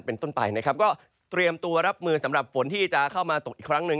เป็นต้นไปนะครับก็เตรียมตัวรับมือสำหรับฝนที่จะเข้ามาตกอีกครั้งหนึ่ง